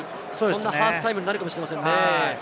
そんなハーフタイムになるかもしれませんね。